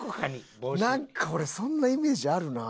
なんか俺そんなイメージあるな。